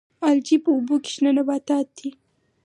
الجی په اوبو کې شنه نباتات دي